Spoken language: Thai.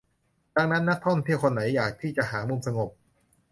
ดังนั้นนักท่องเที่ยวคนไหนอยากที่จะหามุมสงบ